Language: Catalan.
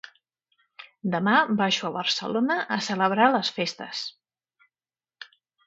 Demà baixo a Barcelona a celebrar les festes.